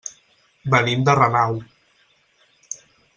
Venim de Renau.